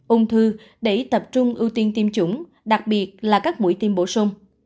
ung thư để tập trung ưu tiên tiêm chủng đặc biệt là các mũi tiêm bổ sung